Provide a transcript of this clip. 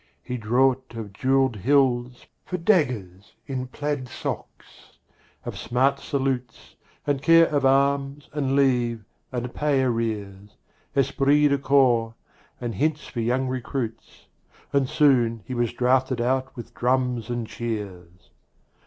He thought of jewelled hilts For daggers in plaid socks; of smart salutes; And care of arms; and leave; and pay arrears; Esprit de corps; and hints for young recruits. And soon, he was drafted out with drums and cheers.